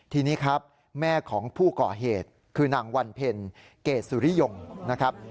ทีนี้ครับแม่ของผู้ก่อเหตุคือนางวันเพ็ญเกรดสุริยงนะครับ